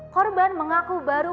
korban mengaku baru